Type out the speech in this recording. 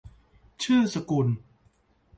ชื่อสกุล